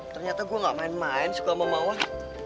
ternyata gue gak main main sekolah memauan